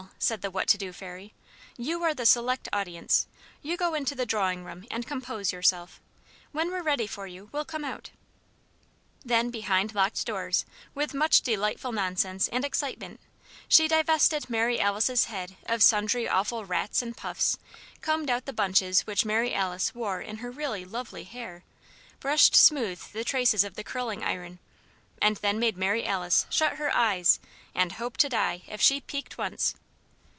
said the "what to do fairy," "you are the select audience. You go into the drawing room and 'compose yourself.' When we're ready for you, we'll come out." Then, behind locked doors, with much delightful nonsense and excitement, she divested Mary Alice's head of sundry awful rats and puffs, combed out the bunches which Mary Alice wore in her really lovely hair, brushed smooth the traces of the curling iron, and then made Mary Alice shut her eyes and "hope to die" if she "peeked once."